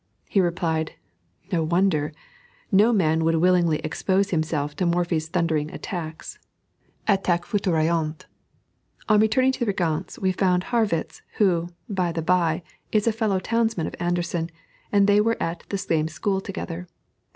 He replied, "No wonder; no man would willingly expose himself to Morphy's thundering attacks," [attaques foudroyantes.] On returning to the Régence, we found Harrwitz, who, by the bye, is a fellow townsman of Anderssen, and they were at the same school together.